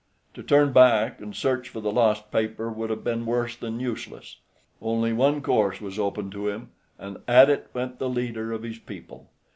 To turn back and search for the lost paper would have been worse than useless. Only one course was open to him, and at it went the leader of his people.